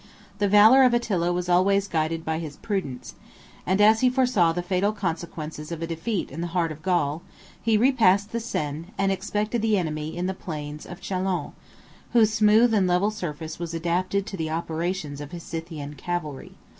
39 The valor of Attila was always guided by his prudence; and as he foresaw the fatal consequences of a defeat in the heart of Gaul, he repassed the Seine, and expected the enemy in the plains of Chalons, whose smooth and level surface was adapted to the operations of his Scythian cavalry.